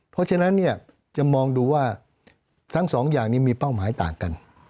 เพราะฉะนั้นเนี่ยจะมองดูว่าทั้งสองอย่างนี้มีเป้าหมายต่างกัน